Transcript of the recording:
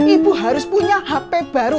ibu harus punya hp baru